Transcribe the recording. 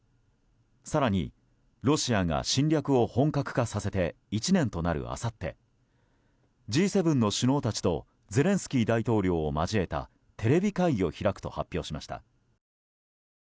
更に、ロシアが侵略を本格化させて１年となるあさって、Ｇ７の首脳たちとゼレンスキー大統領を交えたテレビ会議を開くと発表しました。